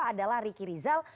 adalah riki rizal